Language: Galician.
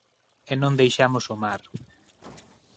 E non deixamos o mar.